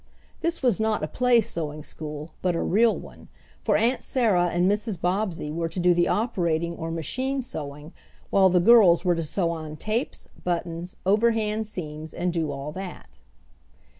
This was not a play sewing school but a real one, for Aunt Sarah and Mrs. Bobbsey were to do the operating or machine sewing, while the girls were to sew on tapes, buttons, overhand seams, and do all that.